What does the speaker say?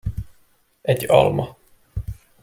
Egy alma.